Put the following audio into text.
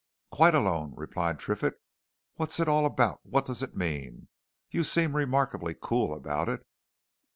"Quite alone," replied Triffitt. "What's it all about what does it mean? You seem remarkably cool about it!"